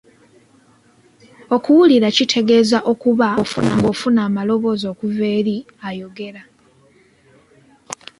Okuwulira kitegeeza okuba ng'ofuna amaloboozi okuva eri ayogera.